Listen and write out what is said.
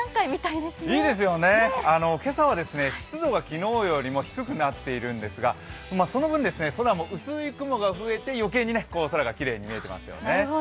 いいですよね、今朝は湿度が昨日よりも低くなっているんですが、その分、空も薄い雲が増えて余計に空がきれいに見えていますね。